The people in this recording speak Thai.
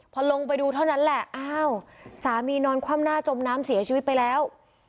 พอลงไปดูเท่านั้นแหละอ้าวสามีนอนคว่ำหน้าจมน้ำเสียชีวิตไปแล้ว